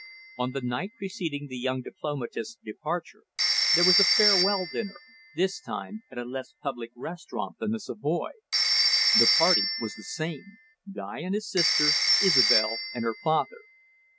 On the night preceding the young diplomatist's departure, there was a farewell dinner, this time at a less public restaurant than the Savoy. The party was the same, Guy and his sister, Isobel and her father.